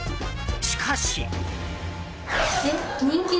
しかし。